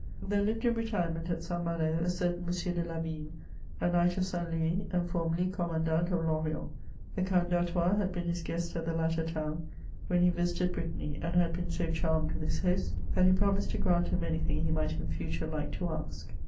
There lived in retirement at St. Malo a certain M. de Lavigne, a knight of St. Louis, and formerly commandant of L* Orient, The Count d'Artois had been his guest at the latter town, when he visited Brittany, and had been so charmed with his host, that he promised to grant him any thing he might in future like to ask.